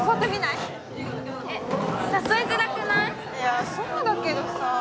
いやそうだけどさぁ。